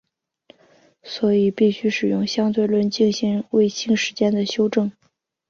所以必须使用相对论进行卫星时间的修正。